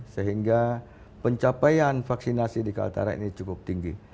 sehingga pencapaian vaksinasi di kaltara ini cukup tinggi